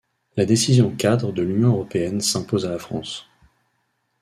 La décision cadre de l'Union européenne s'impose à la France.